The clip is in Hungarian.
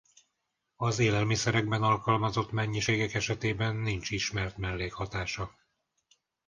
Az élelmiszerekben alkalmazott mennyiségek esetében nincs ismert mellékhatása.